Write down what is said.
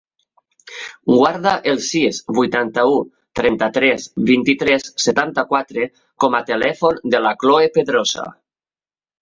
Guarda el sis, vuitanta-u, trenta-tres, vint-i-tres, setanta-quatre com a telèfon de la Chloe Pedrosa.